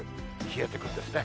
冷えてくるんですね。